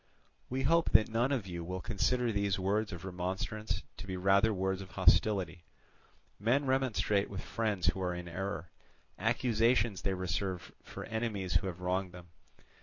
"We hope that none of you will consider these words of remonstrance to be rather words of hostility; men remonstrate with friends who are in error, accusations they reserve for enemies who have wronged them.